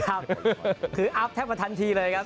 ครับคืออัพแทบมาทันทีเลยครับ